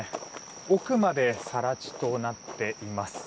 奥まで更地となっています。